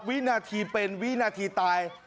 วินาทีเป็นวินาทีตาย